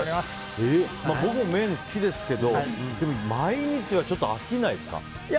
僕も麺好きですけどでも毎日は飽きないですか？